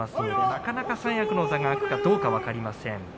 なかなか三役の座が空くかどうか分かりません。